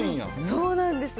そうなんです。